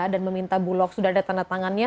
dan meminta bulog sudah ada tanda tangannya